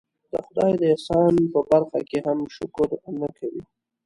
د خدای د احسان په برخه کې هم شکر نه کوي.